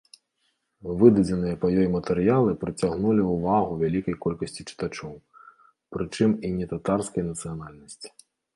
Выдадзеныя па ёй матэрыялы прыцягнулі ўвагу вялікай колькасці чытачоў, прычым і нетатарскай нацыянальнасці.